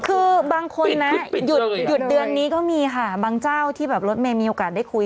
คือบางคนนะหยุดเดือนนี้ก็มีค่ะบางเจ้าที่แบบรถเมย์มีโอกาสได้คุย